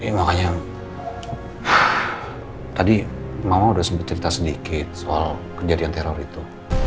makanya tadi mama udah sebut cerita sedikit soal kejadian teror itu